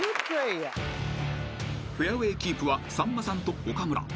［フェアウエーキープはさんまさんと岡村］